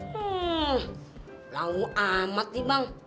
hmm lau amat sih bang